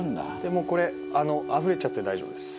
もうこれあふれちゃって大丈夫です。